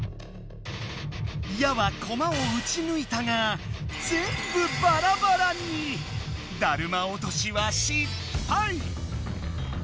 矢はコマをうち抜いたが「だるま落とし」は失敗！